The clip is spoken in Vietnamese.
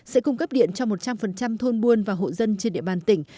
sẽ cung cấp điện cho một trăm linh thôn buôn và hộ dân trên địa bàn tỉnh